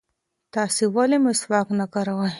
تاسې ولې مسواک نه کاروئ؟